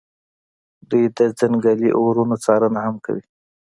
دوی د ځنګلي اورونو څارنه هم کوي